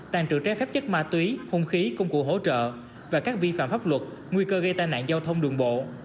tàn trự trái phép chất ma túy hung khí công cụ hỗ trợ và các vi phạm pháp luật nguy cơ gây tai nạn giao thông đường bộ